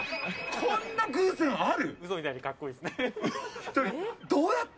こんな偶然、ある？